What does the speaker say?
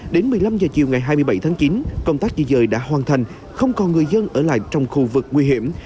đến một mươi năm h chiều ngày hai mươi bảy tháng chín công tác di dời đã hoàn thành không còn người dân ở lại trong khu vực nguy hiểm